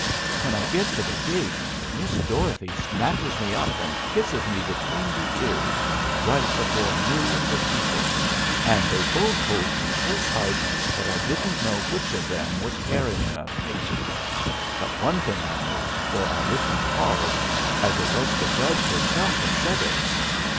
When I get to the gate Miss Dorothy snatches me up and kisses me between the ears, right before millions of people, and they both hold me so tight that I didn't know which of them was carrying of me. But one thing I knew, for I listened hard, as it was the judge hisself as said it.